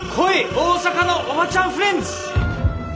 大阪のおばちゃんフレンズ。